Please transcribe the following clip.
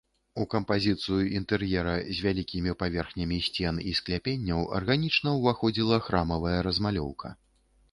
У кампазіцыю інтэр'ера з вялікімі паверхнямі сцен і скляпенняў арганічна ўваходзіла храмавая размалёўка.